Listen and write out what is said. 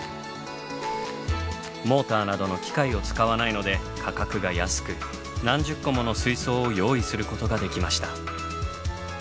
モーターなどの機械を使わないので価格が安く何十個もの水槽を用意することができました。